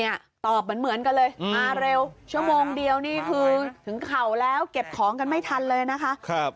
ตอบเหมือนกันเลยมาเร็วชั่วโมงเดียวนี่คือถึงเข่าแล้วเก็บของกันไม่ทันเลยนะคะ